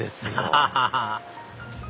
アハハハ！